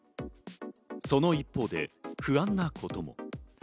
その一方で不安なことも。